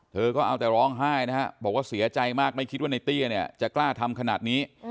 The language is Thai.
เธอก็เอาแต่ร้องไห้นะฮะบอกว่าเสียใจมากไม่คิดว่าในเตี้ยเนี่ยจะกล้าทำขนาดนี้